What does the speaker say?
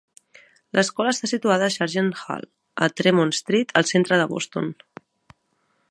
L'escola està situada a Sargent Hall, a Tremont Street, al centre de Boston.